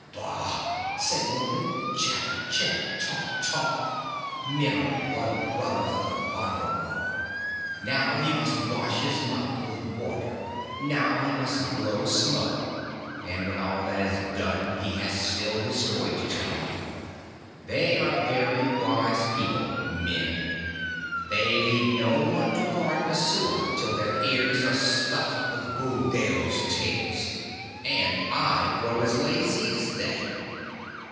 "Bah!" said Mowgli. "Chatter chatter! Talk, talk! Men are blood brothers of the Bandar log. Now he must wash his mouth with water; now he must blow smoke; and when all that is done he has still his story to tell. They are very wise people men. They will leave no one to guard Messua till their ears are stuffed with Buldeo's tales. And I grow as lazy as they!"